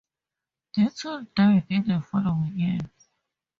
Ditton died in the following year.